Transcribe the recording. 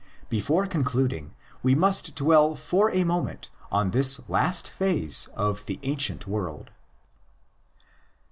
'' Before con cluding, we must dwell for a moment on this last phase of the ancient world.